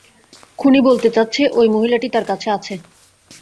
খুনি বলতে চাচ্ছে, ওই মহিলাটি তার কাছে আছে।